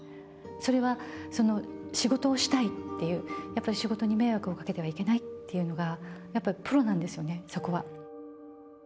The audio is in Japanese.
それは仕事をしたいっていう、やっぱり仕事に迷惑をかけてはいけないっていうのが、やっぱりプロなんですよね、そこは。